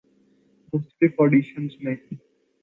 مختلف آڈیشنزمیں